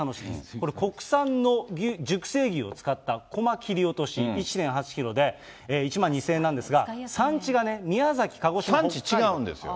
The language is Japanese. これ、国産の熟成牛を使った小間切り落とし、１．８キロで、１万２０００円なんですが、産地違うんですよ。